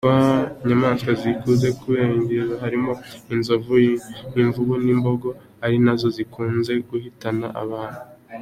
Inyamanswa zikunze kubangiriza harimo inzovu, imvubu n’imbogo ari nazo zikunze guhitana abantu.